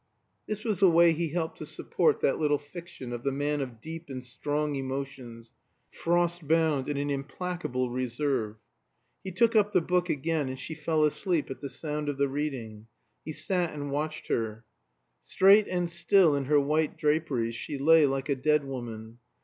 This was the way he helped to support that little fiction of the man of deep and strong emotions, frost bound in an implacable reserve. He took up the book again, and she fell asleep at the sound of the reading. He sat and watched her. Straight and still in her white draperies, she lay like a dead woman.